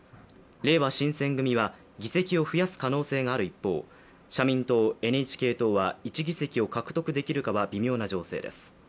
れいわ新選組は議席を増やす可能性がある一方社民党、ＮＨＫ党は１議席を獲得できるかは微妙な情勢です。